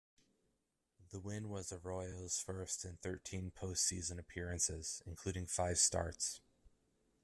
The win was Arroyo's first in thirteen postseason appearances, including five starts.